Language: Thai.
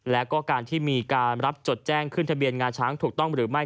แล้วก็การที่มีการรับจดแจ้งขึ้นทะเบียนงาช้างถูกต้องหรือไม่